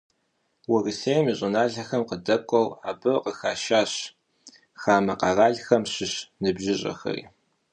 Урысейм и щӀыналъэхэм къыдэкӀуэу, абы къыхашащ хамэ къэралхэм щыщ ныбжьыщӀэхэри.